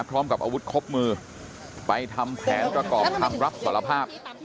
พร้อมกับอาวุธครบมือไปทำแผนประกอบคำรับสารภาพ